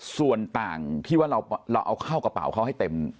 ส่วนต่างที่ว่าเราเอาเข้ากระเป๋าเขาให้เต็ม